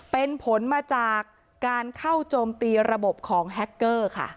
เป็นผลมาจากการเข้าโจมตีระบบของแฮคเกอร์ค่ะ